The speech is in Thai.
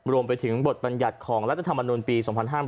รวมไปถึงบทบัญญัติของรัฐธรรมนุนปี๒๕๕๘